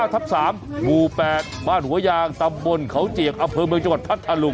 ทับ๓หมู่๘บ้านหัวยางตำบลเขาเจียกอำเภอเมืองจังหวัดพัทธาลุง